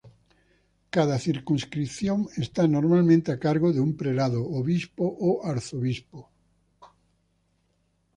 Cada circunscripción está normalmente a cargo de un prelado, obispo o arzobispo.